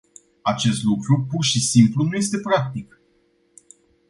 Acest lucru pur și simplu nu este practic.